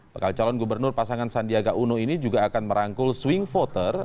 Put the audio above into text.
bakal calon gubernur pasangan sandiaga uno ini juga akan merangkul swing voter